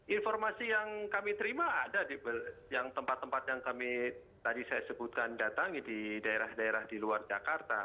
informasi yang kami terima ada di tempat tempat yang kami tadi saya sebutkan datangi di daerah daerah di luar jakarta